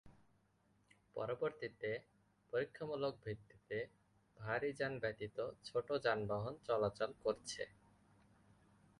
পরবর্তীতে পরীক্ষামূলক ভিত্তিতে ভারী যান ব্যতীত ছোট যানবাহন চলাচল করছে।